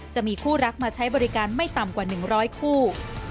จะมีคู่รักมาใช้บริการไม่ต่ำกว่า๑๐๐คู่